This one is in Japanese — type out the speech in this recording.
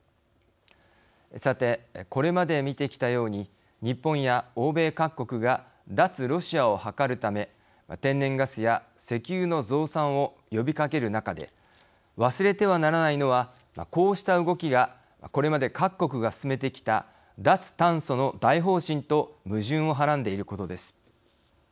さて、これまで見てきたように日本や欧米各国が脱ロシアを図るため天然ガスや石油の増産を呼びかける中で忘れてはならないのはこうした動きがこれまで各国が進めてきた脱炭素の大方針と矛盾をはらんでいることです。